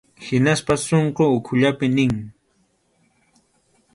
Hinaspas sunqun ukhullapi nin.